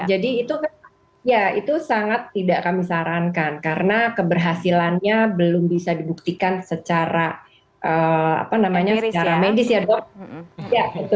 jadi itu sangat tidak kami sarankan karena keberhasilannya belum bisa dibuktikan secara medis ya dok